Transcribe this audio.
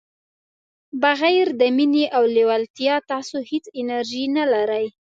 بغير د مینې او لیوالتیا تاسو هیڅ انرژي نه لرئ.